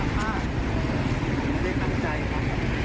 ไม่ได้ตั้งใจค่ะ